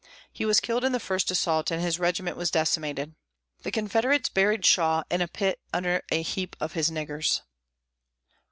He was killed in the first assault and his regiment was decimated. The Confederates buried Shaw "in a pit under a heap of his niggers."